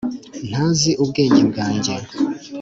ntazi ubwenge bwanjye,